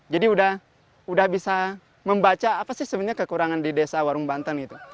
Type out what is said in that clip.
jadi sudah bisa membaca apa sih sebenarnya kekurangan di desa warung banten itu